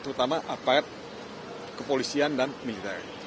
terutama aparat kepolisian dan militer